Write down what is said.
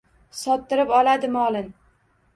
Sottirib oladi molin.